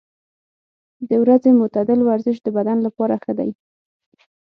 د ورځې معتدل ورزش د بدن لپاره ښه دی.